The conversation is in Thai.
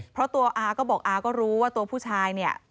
เขาก็รู้ว่าตัวผู้ชายเนี่ย